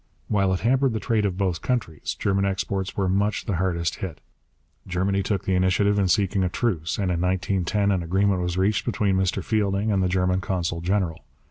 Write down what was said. While it hampered the trade of both countries, German exports were much the hardest hit. Germany took the initiative in seeking a truce, and in 1910 an agreement was reached between Mr Fielding and the German consul general.